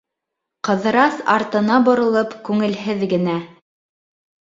Ҡыҙырас, артына боролоп, күңелһеҙ генә: